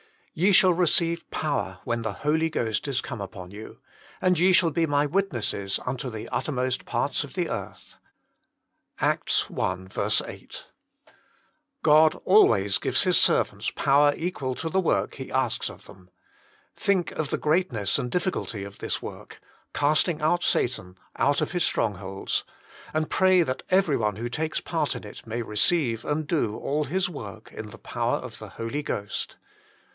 Ye shall receive power, when the Holy Ghr st is come upon you : and ye shall he My witnesses unto the uttermost parts of the earth." ACTS i. 8. God always gives His servants power equal to the work He asks of them. Think of the greatness and difficulty of this work, casting out Satan out of his strongholds, and pray that everyone who takes part in it may receive and do all his work in the power of the Holy Ghost.